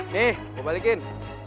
nih gue balikin